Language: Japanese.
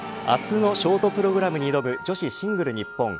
明日のショートプログラムに挑む女子シングル日本。